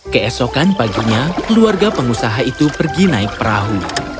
keesokan paginya keluarga pengusaha itu pergi naik perahu